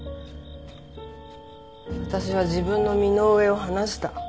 私は自分の身の上を話した。